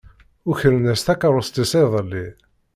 Ukren-as takeṛṛust-is iḍelli.